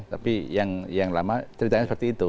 tapi yang lama ceritanya seperti itu